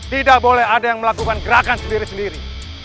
tidak boleh ada yang melakukan gerakan sendiri sendiri